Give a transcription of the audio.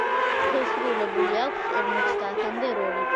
შესრულებული აქვს ორმოცდაათამდე როლი.